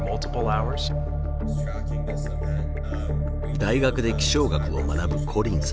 大学で気象学を学ぶコリンさん。